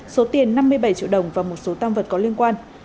số tiền năm mươi bảy triệu đồng và một số tam vật có liên quan